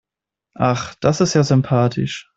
Ach, das ist ja sympathisch.